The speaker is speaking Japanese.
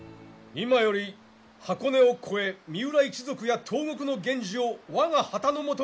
今より箱根を越え三浦一族や東国の源氏を我が旗のもとに集める！